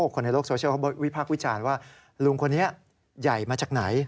คนในโลกโซเชียลเขาวิพากษ์วิจารณ์ว่าลุงคนนี้ใหญ่มาจากไหน